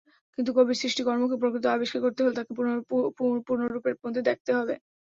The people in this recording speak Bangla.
কিন্তু কবির সৃষ্টিকর্মকে প্রকৃত আবিষ্কার করতে হলে তাঁকে পূর্ণরূপের মধ্যে দেখতে হবে।